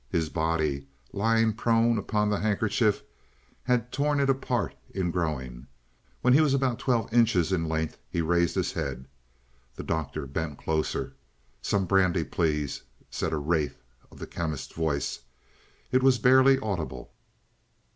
His body, lying prone upon the handkerchief, had torn it apart in growing. When he was about twelve inches in length he raised his head. The Doctor bent closer. "Some brandy, please," said a wraith of the Chemist's voice. It was barely audible.